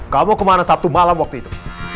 kamu kemana sabtu malam waktu itu